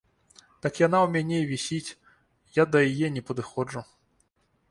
Так яна ў мяне і вісіць, я да яе не падыходжу.